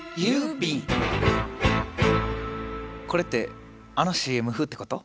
これってあのＣＭ風ってこと？